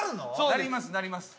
なりますなります。